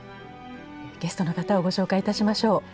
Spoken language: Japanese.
ゲストの方をご紹介いたしましょう。